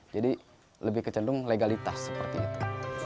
jadi lebih kecendung legalitas seperti itu